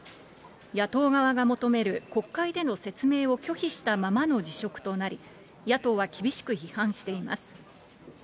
野党側が求める国会での説明を拒否したままの辞職となり、野党は厳しく批判しています。